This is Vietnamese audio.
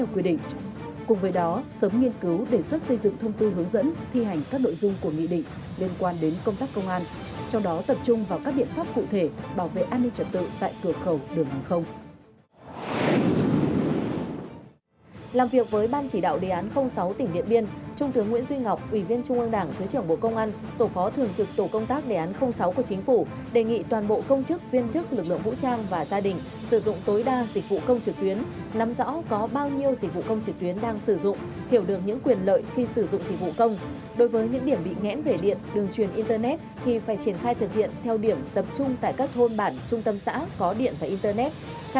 quán triển nghị định chín mươi ba về quản lý bảo đảm an ninh trật tự tại cửa khẩu đường hàng không thượng tướng lương tâm quang ủy viên trung ương đảng thứ trưởng bộ công an đề nghị cục quản lý xuất nhập cảnh tiếp tục